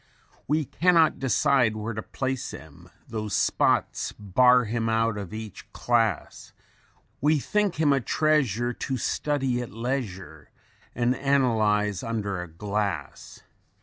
_ "_'We cannot decide where to place him; Those spots bar him out of each class; We think him a treasure to study at leisure And analyze under a glass.'